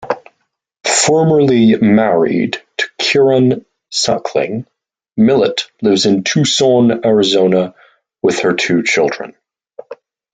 Formerly married to Kieran Suckling, Millet lives in Tucson, Arizona with her two children.